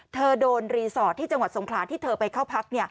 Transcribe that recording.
เธอโดนรีสอร์ทที่จังหวัดสงขลาที่เธอไปเข้าพัก